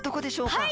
はい！